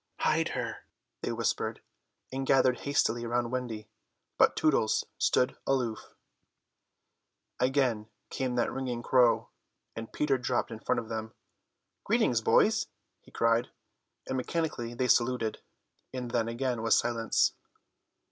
"Hide her," they whispered, and gathered hastily around Wendy. But Tootles stood aloof. Again came that ringing crow, and Peter dropped in front of them. "Greetings, boys," he cried, and mechanically they saluted, and then again was silence.